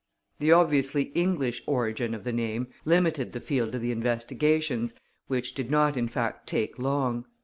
The obviously English origin of the name limited the field of the investigations, which did not in fact take long.